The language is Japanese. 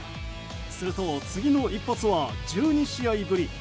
すると、次の一発は１２試合ぶり。